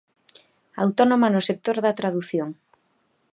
Autónoma no sector da tradución.